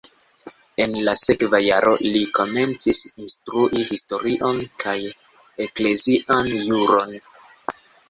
En la sekva jaro li komencis instrui historion kaj eklezian juron.